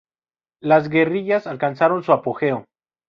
Las guerrillas alcanzaron su apogeo.